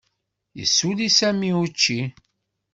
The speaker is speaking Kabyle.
Yessuli Sami učči.